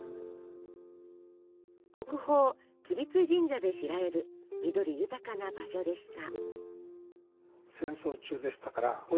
国宝吉備津神社で知られる緑豊かな場所でした。